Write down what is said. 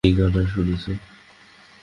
হেই, Gunnar, শুনছো?